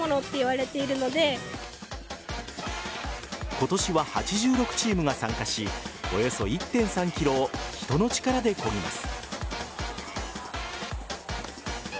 今年は８６チームが参加しおよそ１．３ｋｍを人の力でこぎます。